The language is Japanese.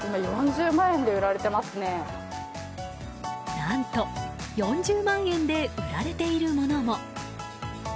何と４０万円で売られているものも。